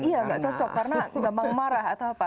iya nggak cocok karena gampang marah atau apa